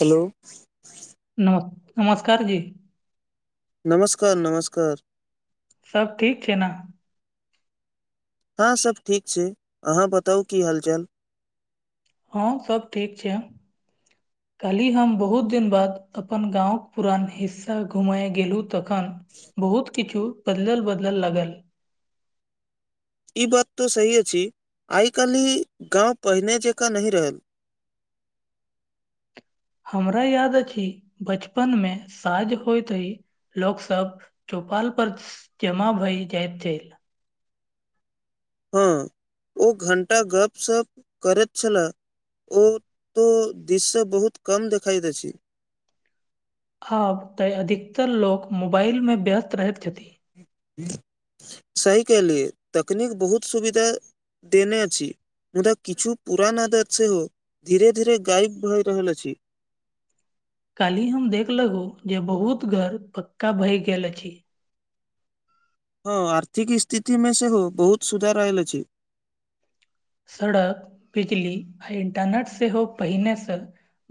hello नम नमस्कार जी नमस्कार नमस्कार सब ठीक छै ने हँ सब ठीक छै अहाँ बताउ की हालचाल हँ सब ठीक छै काली हम बहुत दिन बाद अपन गाँंवक पुरान हिस्सा घुमेय गेलु तखन बहुत किछु बदलल बदलल लागल ई बात तो सही अछि आइ काल्हि गाँव पहिने जकाँ नहि रहल हमरा याद अछि बचपन मे साज होइत ही लोक सब चौपाल पर जमा भई जायत छै हँ ओ घण्टा गपशप करैत छलए ओ तो दिस से बहुत कम देखाई अछै आब तऽ अधिकतर लोक मोबाइलमे व्यस्त रहैत छथिन सही क लियए तकनीक बहुत सुविधा देने छी मुदा किछु पुरान आदत सेहो धीरे धीरे गायब भए रहल अछि कालहि हम देख लगु जे बहुत घर पक्का भय गेल अछि हँ आर्थिक स्थिति मे सेहो बहुत सुधार आयल छै सड़क बिजली आ इंटरनेट सेहो पहिनेसँ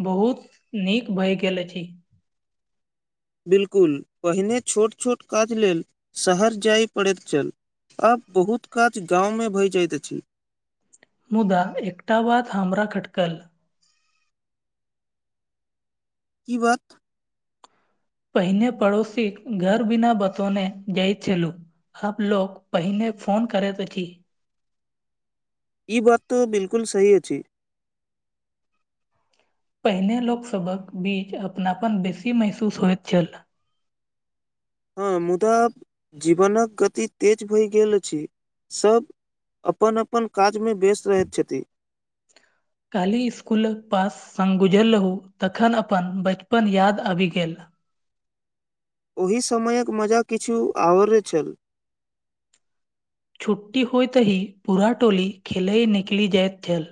बहुत नीक भए गेल अछि बिलकुल पहिने छोट छोट काज लेल शहर जाय पड़ैत छल आब बहुत काज गाँंव मे भय जाइत अछि मुदा एकटा बाद हमरा खटकल की बात पहिने पड़ोशी घर बिना बतौने जाइ छललू आपलोग पहिने फोन करे त की ई बात तऽ बिलकुल सही अछि पहिने लोकसभक बीच अपनापन बेसी महसूस होइत छल हँ मुदा जीवनक गति तेज भए गेल अछि सब अपन अपन काजमे व्यस्त रहैत छथिन काल्हि इसकुलक पास सङ्ग गुजरल रहू तखन अपन बचपन याद आबि गेल ओहि समयक मजा किछु ओर छल छुट्टी होयतहि पूरा टोली खेलय निकलि जाइत छल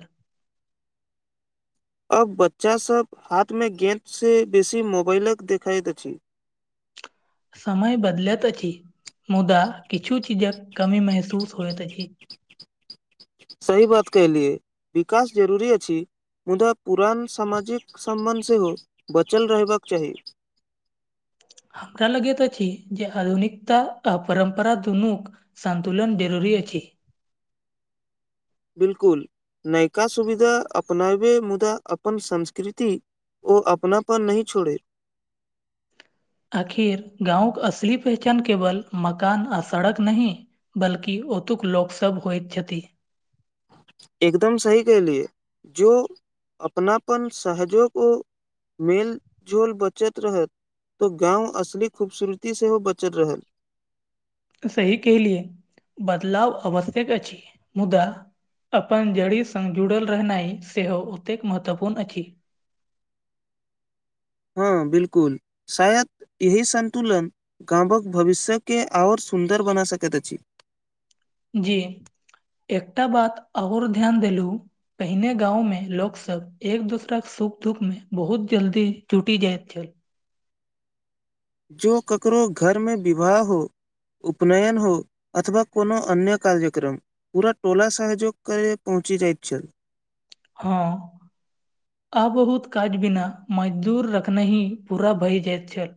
अब बच्चा सब हाथ मे गेंद से बेसी मोबाइलक देखैत अछि समय बदलैत अछि मुदा किछु चीजक कमी महसूस होइत अछि सही बात कहलियै विकास जरूरी अछि मुदा पुरान सामाजिक सम्बन्ध सेहो बचल रहबाक चाही हमरा लगैत अछि जे आधुनिकता आ परम्परा दुनूक सन्तुलन जरूरी अछि बिलकुल नयका सुविधा अपनाबे मुदा अपन संस्कृति ओ अपना पर नही छोड़े आखिर गाँवक असल पहचान केवल मकान आ सड़क नहि बल्कि ओतुक लोकसभ होइत छथि एकदम सही के लिए जो अपनापन सहजोगो मेल झोल बचत रहत तो गाँंव असली खूबसूरती सेहो बचल रहल सी कलियए बदलाव आवश्यक अछि मुदा अपन जड़ी सङ्ग जुड़ल रहनाइ सेहो ओतेक महत्वपूर्ण अछि हँ बिलकुल शायद यह संन्तुलन गामक भविष्यकेँ आओर सुन्दर बना सकैत अछि जी एकटा बात ओर ध्यान देलहु पहिने गाँंव मे लोक सब एक दोसराक के सुख दुःख मे बहुत जल्दी जुटी जाइत छल जो ककरो घरमे विवाह हो उपनयन हो अथवा कोनो अन्य कार्यक्रम पूरा टोला सहयोग करे पहुँची जाइत छल हँ आ बहुत काज बिना मजदूर रखने ही पूरा भए जाइत छल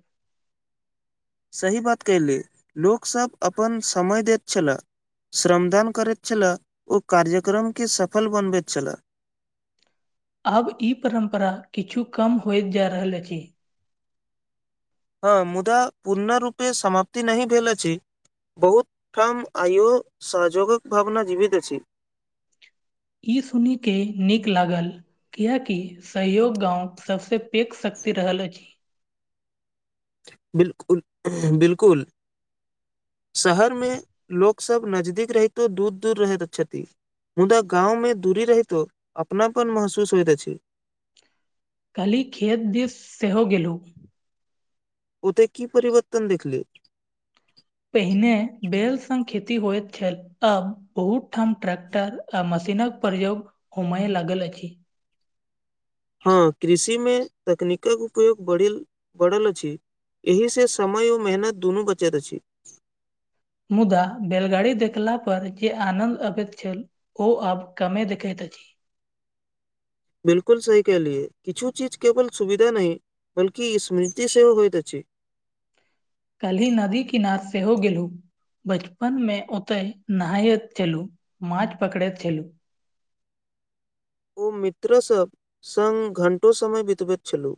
सही बात कयली लोकसभ अपन समय दैत छलए श्रमदान करैत छलए ओ कार्यक्रमके सफल बनबैत छलए आब ई परम्परा किछु कम होइत जा रहल अछि हँ मुदा पूर्णरूपे समाप्ति नहि भेल अछि बहुत ठाम आइो सहजोगक भावना जीवित अछि ई सुने नीक लागल कियकि सहयोग गाँंवक सभसँ पैघ शक्ति रहल अछि बिलकुल बिलकुल शहरमे लोकसभ नजदीक रहितो दूर दूर रहैत छथि मुदा गांव में दूरी रहितो अपनापन महसूस होयइत अछि काल्हि खेत दिस सेहो गेलहुँ ओत की परिवर्तन देखले पहिने बैेल स खेती होयइत छल अब बहुत ठाम ट्रैक्टर मशीनक प्रयोग होमय लागल अछि हँ कृषिमे तकनीकक उपयोग बढ़ बढ़ल अछि एहिसँ समय आर मेहनत दुनू बचत अछि मुदा बैलगाड़ी देखला पर जे आनन्द अबैत छल ओ अब कमे दिखे त जी बिलकुल सही कलिये किछु चीज केवल सुविधा न बल्कि स्मृति सेहो होयइत अछि कल्हि नदी क नाद सेहो गेलहुँ बचपन मे ओते नहायैत छलु माछ पकड़ैत छलु ओ मित्रसभ संग घण्टो समय बितबैत छलहु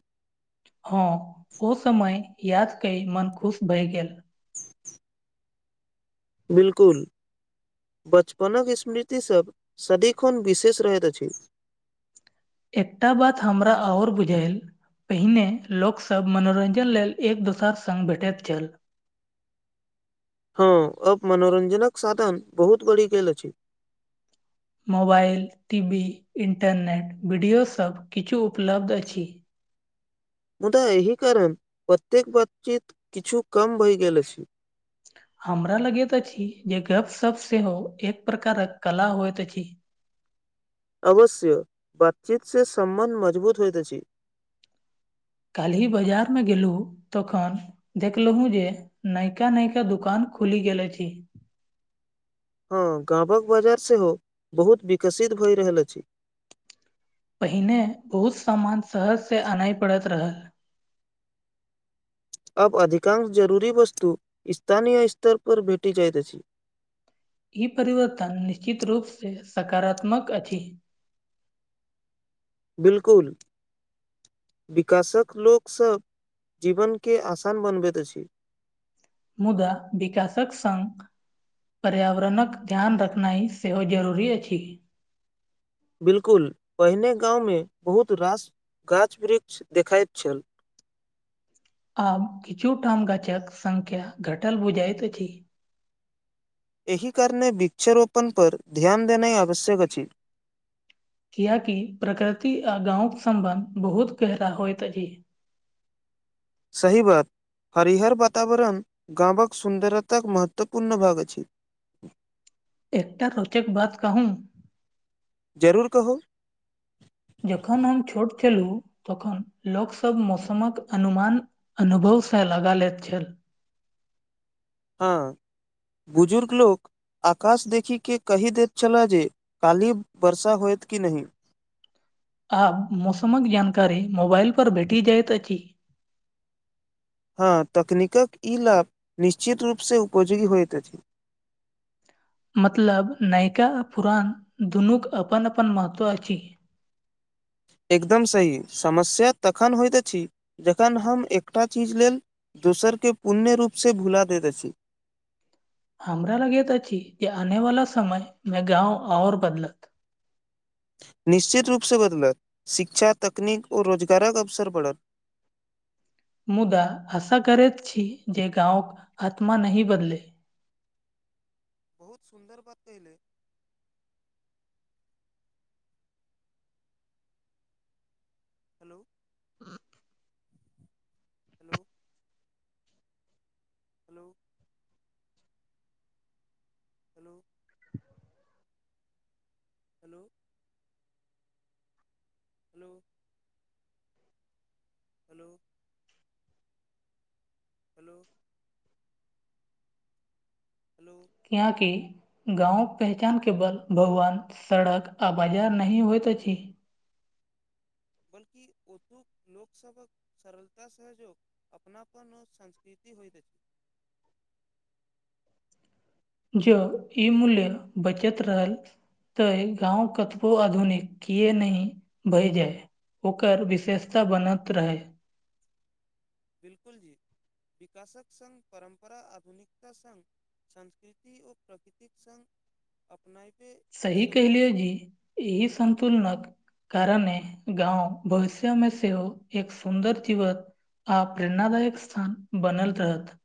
हँ ओ समय याद क मन खुश भए गेल बिलकुल बचपनक स्मृतिसभ सदिखन विशेष रहैत अछि एकटा बात हमरा ओर बुझायल पहिने लोकसभ मनोरञ्जन लेल एक दोसर सङ्ग भेटैत छल हँ अब मनोरंजनक साधन बहुत बड़ी गेल अछि मोबाइल टी वी इन्टरनेट वीडियोसभ किछु उपलब्ध अछि मुदा एहि कारण प्रत्येक बातचीत किछु कम भइ गेल अछि हमरा लगैत अछि जे गपशप सेहो एक प्रकारक कला होइत अछि अवश्य बातचीत से सम्मान मजबूत होइत छै काल्हि बाजारमे गेलहुँ तखन देखलहुँ जे नयका नयका दुकान खुलि गेले छी हँ गामक बाजार सेहो बहुत विकसित भए रहल अछि पहिने बहुत सामान सहजसँ आनय पड़ैत रहल अब अधिकांश जरूरी वस्तु स्थानीय स्तर पर भेटी जाइत अछि ई परिवर्तन निश्चित रूप से सकारात्मक अछि बिलकुल विकासक लोक सब जीवनक के आसान बनबैत अछि मुदा विकासक संघ पर्यावरणक ध्यान रखनाइ सेहो जरूरी अछि बिलकुल पहिने गांव मे बहुत रास गाछ वृक्ष देखाइत छल आब किछु टााम गाछक सङ्ख्या घटल बुझैत अछि एहि कारणे वृक्षरोपण पर ध्यान देनाइ आवश्यक अ अछि कियाकि प्रकृति आ गाँंवक सम्बन्ध बहुत गहरा होइत अछिह सही बात हरिहर वातावरण गामक सुन्दरताक महत्वपूर्ण भाग अछि एकटा रोचक बात कहूँ जरूर कहू जखन हम छोट छलहु तखन लोकसभ मौसमक अनुमान अनुभव से लगा ले छल हँ बुजुर्ग लोक आकाश देखिके कहि दैत छलह जे काल्हि वर्षा होत कि नहि आब मौसमक जानकारी मोबाइलपर भेटि जाइत अछि हँ तकनीकक ई लाभ निश्चित रूपसँ उपयोगी होइत अछि मतलब नयिका आ पुरान दुनूक अपन अपन महत्व अछि एकदम सही समस्या तखन होइत अछि जखन हम एकटा चीज लेल दोसर के पुण्य रूप से भुला देैत अछि हमरा ल यत अच जे आनेवला समय मे गाँव आओर बदलत निश्चित रूपसँ बदलत शिक्षा तकनीक आर रोजगारक अवसर पड़त मुदा अशा करैैत छी जेे गाँवक आत्म नहि बदल बहुत सुन्दर बात है hello hello hello hello hello hello hello hello hello यहाँके गाँवके पहचान के बल भवन सड़क आ बाजार नहि होइत अछि बल्कि ओतौ लोक सबक सलता सहयोग अपनापन संस्कृति होइ द छै जँ ई मूल्य बचैत रहल तऽ गाँव कतबो आधुनिक किए नही भय जाय ओकर विशेषता बनैत रहै बिलकुल जी विकासक संग परम्परा आधुनिकता संग संस्कृति ओ प्रकृतिक संग अपनायबे ई सही कहलियै सन्तुलित जी, एहि सन्तुलनक कारणे गाँव भविष्यमे सेहो एक सुन्दर जीवन आ प्रेरणादायक स्थान बनल रहत